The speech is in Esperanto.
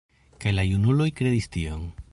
Kaj la junuloj kredis tion.